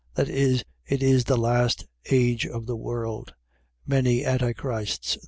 . .That is, it is the last age of the world. Many Antichrists